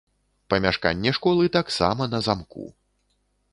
Памяшканне школы таксама на замку.